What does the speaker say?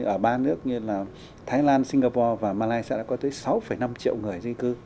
ở ba nước như là thái lan singapore và malaysia đã có tới sáu năm triệu người di cư